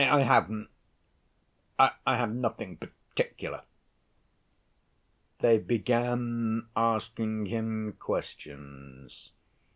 I haven't. I have nothing particular." They began asking him questions.